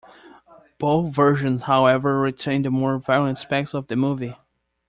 Both versions, however, retain the more violent aspects of the movie.